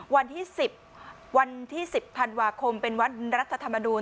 วันที่๑๐พันวาคมเป็นวันรัฐธรรมดูล